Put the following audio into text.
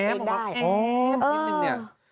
แง้มนิดนึงเนี่ย